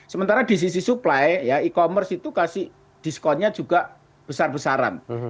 sementara di sisi supply ya e commerce itu kasih diskonnya juga besar besaran